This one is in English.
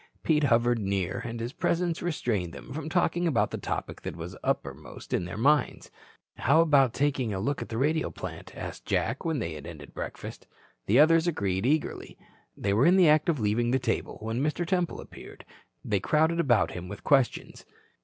Pete hovered near and his presence restrained them from talking about the topic that was uppermost in their minds. "How about taking a look at the radio plant?" asked Jack when they had ended breakfast. The others agreed eagerly. They were in the act of leaving the table when Mr. Temple appeared. They crowded about him with questions.